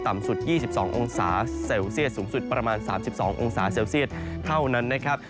สุด๒๒องศาเซลเซียสสูงสุดประมาณ๓๒องศาเซลเซียตเท่านั้นนะครับ